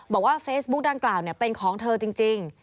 บอกว่าเฟซบุ๊กดังกล่าวเป็นของเธอจริง